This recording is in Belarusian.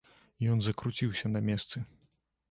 Ён закруціўся на месцы.